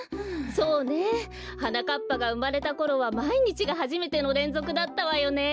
そうねはなかっぱがうまれたころはまいにちがはじめてのれんぞくだったわよね。